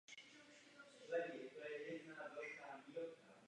Z vojenského hlediska tato výprava nebyla nijak významná.